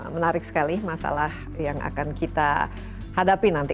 menarik sekali masalah yang akan kita hadapi nanti